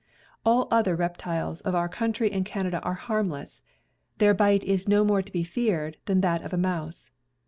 All other reptiles of our country and Canada are harmless — their bite is no more to be feared than that of a mouse.